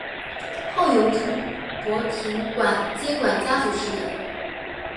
后由陈柏廷接管家族事业。